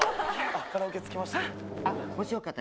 カラオケ着きました。